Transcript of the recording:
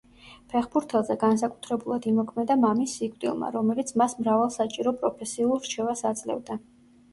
ფეხბურთელზე განსაკუთრებულად იმოქმედა მამის სიკვდილმა, რომელიც მას მრავალ საჭირო პროფესიულ რჩევას აძლევდა.